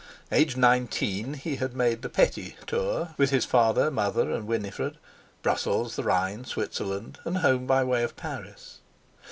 Aged nineteen he had made the "petty tour" with his father, mother, and Winifred—Brussels, the Rhine, Switzerland, and home by way of Paris.